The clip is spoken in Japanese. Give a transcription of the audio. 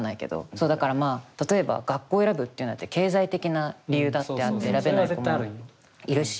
そうだからまあ例えば学校を選ぶっていうのだって経済的な理由だってあって選べない子もいるし。